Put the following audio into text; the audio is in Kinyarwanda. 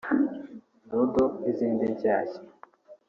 ‘Dodo’ n’izindi nshyashya